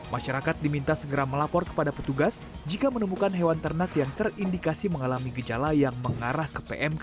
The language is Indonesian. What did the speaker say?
masyarakat diminta segera melapor kepada petugas jika menemukan hewan ternak yang terindikasi mengalami gejala yang mengarah ke pmk